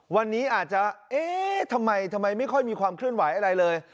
วันนี้อาจจะเอ๊ะทำไมทำไมไม่ค่อยมีความเคลื่อนไหวอะไรเลย